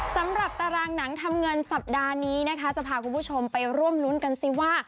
สำหรับตารางหนังทำเงินสัปดาห์นี้นะคะจะพาคุณผู้ชมไปร่วมรุ้นกันสิว่า